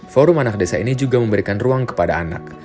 forum anak desa ini juga memberikan ruang kepada anak